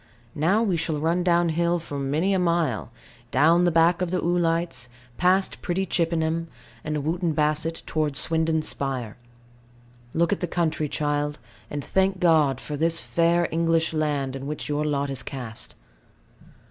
Now we shall run down hill for many a mile, down the back of the oolites, past pretty Chippenham, and Wootton Bassett, towards Swindon spire. Look at the country, child; and thank God for this fair English land, in which your lot is cast.